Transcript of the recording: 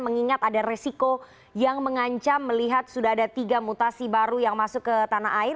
mengingat ada resiko yang mengancam melihat sudah ada tiga mutasi baru yang masuk ke tanah air